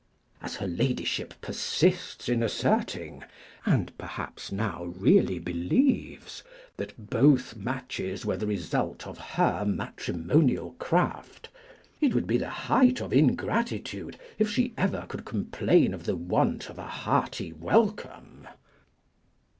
As her ladyship persists in asserting, and perhaps now really believes, that both matches were the result of her matrimonial craft, it would be the height of ingratitude if she ever could complain of the want of a hearty welcome.